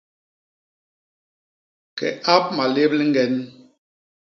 Ke ap malép liñgen.